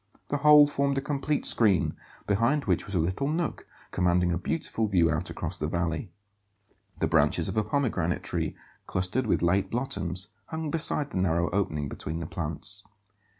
The whole formed a complete screen, behind which was a little nook commanding a beautiful view out across the valley. The branches of a pomegranate tree, clustered with late blossoms, hung beside the narrow opening between the plants.